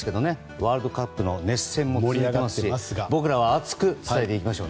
ワールドカップの熱戦も続いていますし僕らは熱く伝えていきましょう。